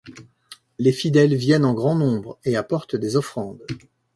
Les fidèles viennent en grand nombre et apportent des offrandes.